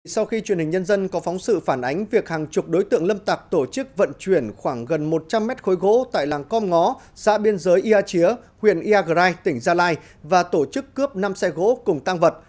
sau khi truyền hình nhân dân có phóng sự phản ánh việc hàng chục đối tượng lâm tặc tổ chức vận chuyển khoảng gần một trăm linh mét khối gỗ tại làng com ngó xã biên giới ia chía huyện iagrai tỉnh gia lai và tổ chức cướp năm xe gỗ cùng tăng vật